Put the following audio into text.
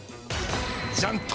ジャンと！